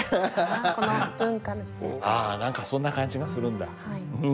ああ何かそんな感じがするんだ。